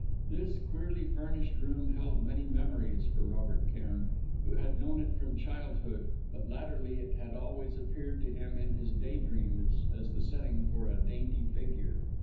This queerly furnished room held many memories for Robert Cairn, who had known it from childhood, but latterly it had always appeared to him in his daydreams as the setting for a dainty figure.